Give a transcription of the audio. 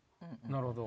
なるほど。